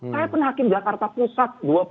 saya penyakit jakarta pusat